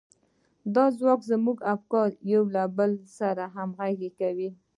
دا ځواک زموږ افکار يو له بل سره همغږي کوي.